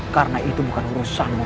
karena itu bukan urusanmu